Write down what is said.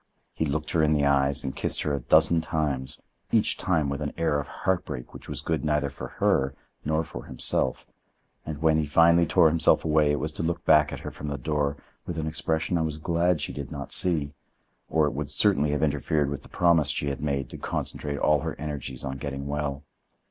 He looked her in the eyes and kissed her a dozen times, each time with an air of heartbreak which was good neither for her nor for himself, and when he finally tore himself away it was to look back at her from the door with an expression I was glad she did not see, or it would certainly have interfered with the promise she had made to concentrate all her energies on getting well.